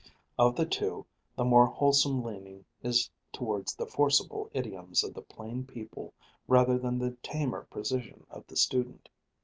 Of the two, the more wholesome leaning is towards the forcible idioms of the plain people rather than the tamer precision of the student.